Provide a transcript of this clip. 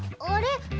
あれ？